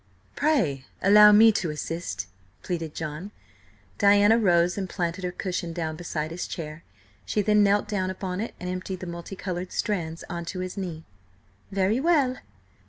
"Pray allow me to assist!" pleaded John. Diana rose and planted her cushion down beside his chair. She then knelt down upon it and emptied the multi coloured strands on to his knee. "Very well!